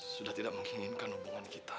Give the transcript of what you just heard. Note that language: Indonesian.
sudah tidak menginginkan hubungan kita